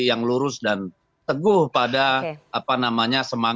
yang lurus dan teguh pada apa namanya semangat